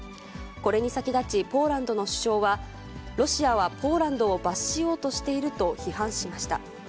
これに先立ち、ポーランドの首相は、ロシアはポーランドを罰しようとしていると批判しました。